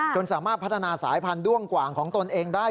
สามารถพัฒนาสายพันธุด้วงกว่างของตนเองได้